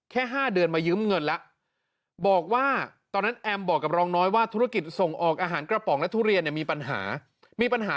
แค่๕เดือนมายืมเงินแล้วบอกว่าตอนนั้นแอมบอกกับรองน้อยว่าธุรกิจส่งออกอาหารกระป๋องและทุเรียนเนี่ยมีปัญหามีปัญหา